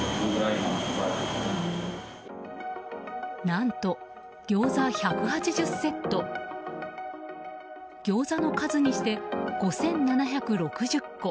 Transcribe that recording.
何とギョーザ１８０セットギョーザの数にして５７６０個。